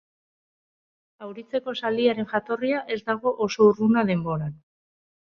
Auritzeko zaldiaren jatorria ez dago oso urruna denboran.